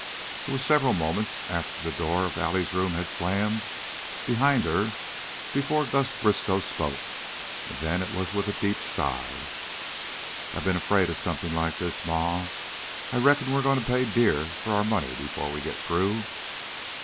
It was several moments after the door of Allie's room had slammed behind her before Gus Briskow spoke, and then it was with a deep sigh. "I been afraid of something like this, Ma. I reckon we're goin' to pay dear for our money before we get through."